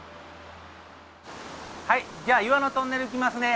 はいじゃあ岩のトンネル行きますね。